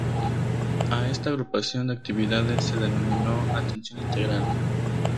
A esta agrupación de actividades se denominó Atención Integral.